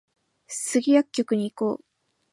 スギ薬局に行こう